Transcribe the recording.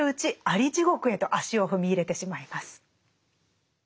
アリ地獄へと足を踏み入れてしまいます。